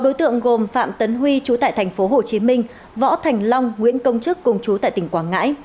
bốn đối tượng gồm phạm tấn huy chú tại tp hcm võ thành long nguyễn công chức cùng chú tại tỉnh quảng ngãi